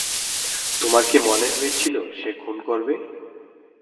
তোমার কি মনে হয়েছিল সে খুন করবে?